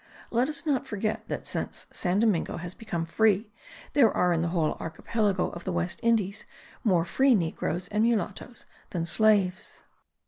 Let us not forget that since San Domingo has become free there are in the whole archipelago of the West Indies more free negroes and mulattos than slaves.